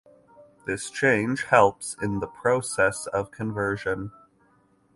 This change helps in the process of conversion.